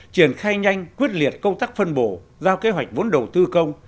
triển khai nhanh quyết liệt công tác phân bổ giao kế hoạch vốn đầu tư công